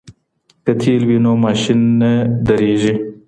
که تېل وي نو ماشین نه ودریږي.